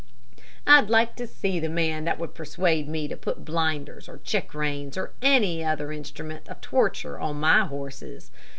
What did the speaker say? "I'd like to see the man that would persuade me to put blinders or check reins or any other instrument of torture on my horses.